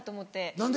何で？